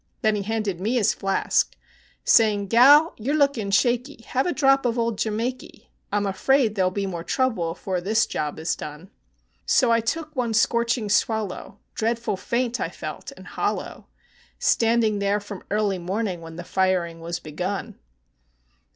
then he handed me his flask, Saying, "Gal, you're looking shaky; have a drop of old Jamaiky; I 'm afeard there 'll be more trouble afore the job is done"; So I took one scorching swallow; dreadful faint I felt and hollow, Standing there from early morning when the firing was begun.